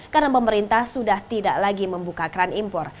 karena pemerintah sudah tidak lagi membuka kran impor